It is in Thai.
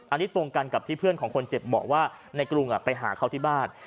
อันนี้ตรงกันกับที่เพื่อนของคนเจ็บบอกว่าในกรุงไปหาเขาที่บ้าน